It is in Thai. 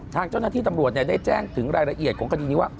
ทางเจ้าหน้าที่ตำรวจได้แจ้งถึงรายละเอียดของคดีนี้ว่า